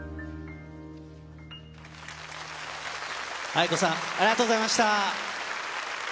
ａｉｋｏさん、ありがとうございました。